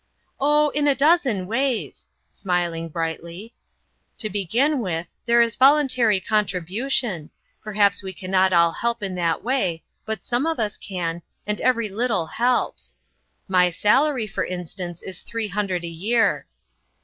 " Oh, in a dozen ways," smiling brightly. "To begin with, there is voluntary contri bution. Perhaps we can not all help in that way, but some of us can, and every little helps. My salary, for instance, is three hun dred a year."